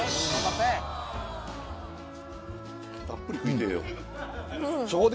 たっぷり食いてえよ